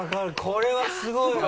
これはすごいわ！